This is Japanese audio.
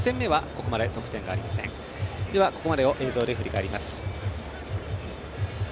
ここまでを映像で振り返ります。